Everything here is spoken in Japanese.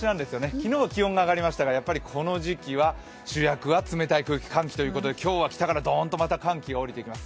昨日は気温が上がりましたがやはり、この時期は主役は冷たい空気、寒気ということで、今日は北からドーンと寒気が下りてきます。